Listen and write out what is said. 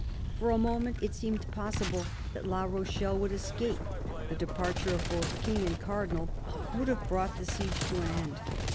For a moment it seemed possible that La Rochelle would escape : the departure of both King and Cardinal would have brought the siege to an end.